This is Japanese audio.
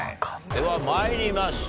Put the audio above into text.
では参りましょう。